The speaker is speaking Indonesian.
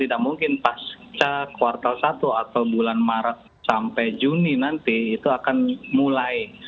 tidak mungkin pasca kuartal satu atau bulan maret sampai juni nanti itu akan mulai